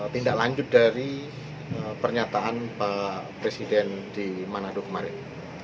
tindak lanjut dari pernyataan pak presiden di manado kemarin